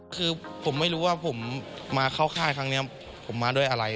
คือผมไม่รู้ว่าผมมาเข้าค่ายครั้งนี้ผมมาด้วยอะไร